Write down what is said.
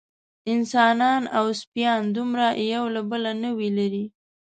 انسانان او سپیان دومره یو له بله نه وي لېرې.